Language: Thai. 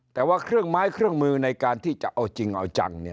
แต่ว่าเครื่องไม้เครื่องมือในการที่จะเอาจริงเอาจัง